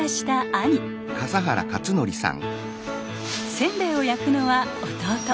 せんべいを焼くのは弟。